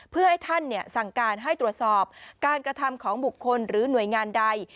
เพื่อให้ท่านสั่งการให้ตรวจสอบการกระทำของบุคคลหรือหน่วยงานใด